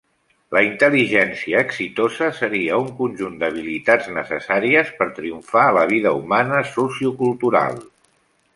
La intel·ligència exitosa seria un conjunt d’habilitats necessàries per triomfar a la vida humana sociocultural.